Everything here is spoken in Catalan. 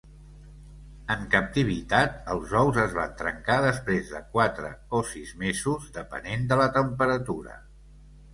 En captivitat, els ous es van trencar després de quatre o sis mesos, depenent de la temperatura.